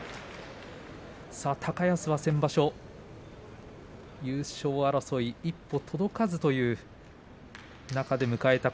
高安は先場所優勝争い一歩届かずという中で迎えた